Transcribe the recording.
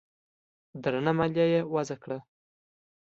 درنه مالیه یې وضعه کړه